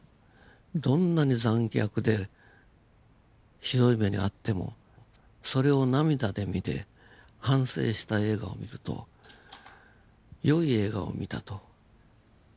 どんなに残虐でひどい目に遭ってもそれを涙で見て反省した映画を見ると良い映画を見たと。